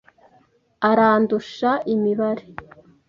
Arandusha imibare.